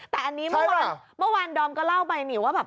แต่อันนี้เมื่อวานดอมก็เล่าไปนี่ว่าแบบ